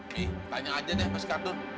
mi tanya aja deh mas kardon